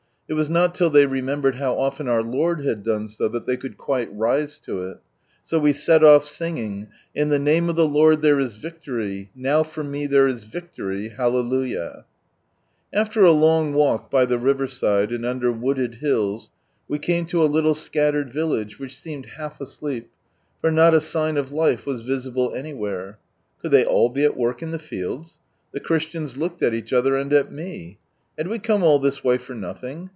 It was not till they remembered how often our Lord had done so, that they could quite rise to it. So we set off, singing, —" In the name of the LotJ. there is victory, Now for me there is viclory, Ilallelujnii!" After a long walk by the riverside, and under wooded hills, we came lo a little scattered village, which seemed half asleep, for not a sign of life was visible any where. Could they all be at work in the fields? The Christians looked at each other and at me. Had we come all this way for nothing?